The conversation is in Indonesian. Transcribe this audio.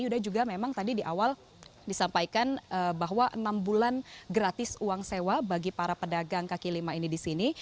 yuda juga memang tadi di awal disampaikan bahwa enam bulan gratis uang sewa bagi para pedagang kaki lima ini di sini